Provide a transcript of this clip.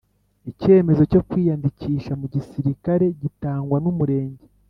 icyemezo cyo kwiyandikisha mu gisirikare gitangwa n’umurenge